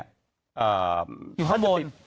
อยู่ข้างบน